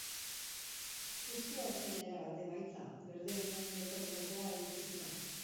Justua zen erabat emaitza berdegunean gertatutakoa ikusita.